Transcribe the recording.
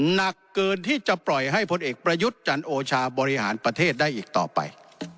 หนักเกินที่จะปล่อยให้พลเอกประยุทธ์จันโอชาบริหารประเทศได้อีกต่อไป